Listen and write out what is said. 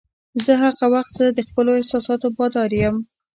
نو هغه وخت زه د خپلو احساساتو بادار یم.